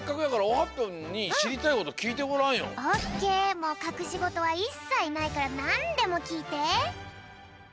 もうかくしごとはいっさいないからなんでもきいて！